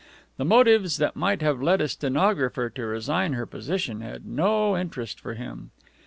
The motives that might have led a stenographer to resign her position had no interest for him.